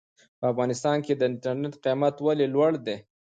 په افغانستان کې د انټرنېټ قيمت ولې لوړ دی ؟